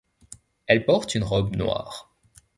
Elle porte une robe noire.